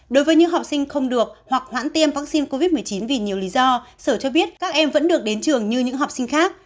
đối với những học sinh không được hoặc hoãn tiêm vaccine covid một mươi chín vì nhiều lý do sở cho biết các em vẫn được đến trường như những học sinh khác